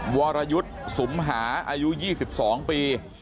วรยุทธ์สุมหาอายุ๒๒ปี